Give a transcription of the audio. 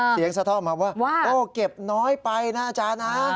เสียงสะท้อนมาว่าเก็บน้อยไปนะอาจารย์นะ